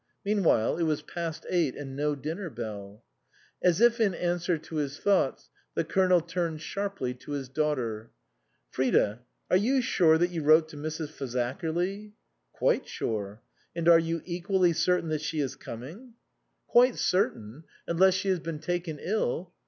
Meanwhile it was past eight and no dinner bell. As if in answer to his thoughts the Colonel turned sharply to his daughter. " Frida, are you sure that you wrote to Mrs. Fazakerly?" " Quite sure." "And are you equally certain that she is coming ?" 13 THE COSMOPOLITAN " Quite certain. Unless she has been taken ill."